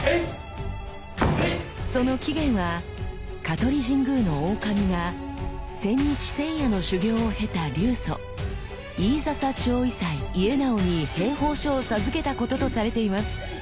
その起源は香取神宮の大神が千日千夜の修行を経た流祖飯篠長威斎家直に兵法書を授けたこととされています。